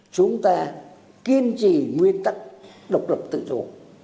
chúng ta kiên trì nguyên tắc độc lập tự chủ